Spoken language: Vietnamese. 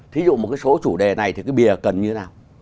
thí dụ một cái số chủ đề này thì cái bìa cần như thế nào